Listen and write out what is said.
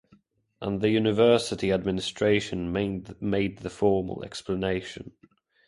And the university administration made the formal explanation.